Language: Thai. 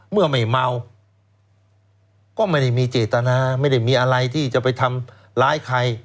เมื่อไม่เมาก็ไม่ได้มีเจตนาไม่ได้มีอะไรที่จะไปทำร้ายใคร